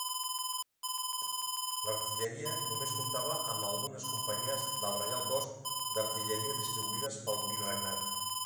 L'artilleria només comptava amb algunes companyies del Reial Cos d'Artilleria distribuïdes pel virregnat.